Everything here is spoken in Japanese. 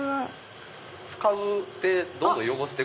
使ってどんどん汚して。